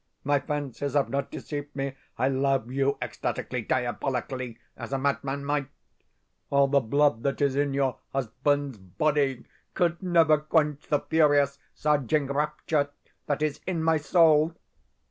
My fancies have not deceived me I love you ecstatically, diabolically, as a madman might! All the blood that is in your husband's body could never quench the furious, surging rapture that is in my soul!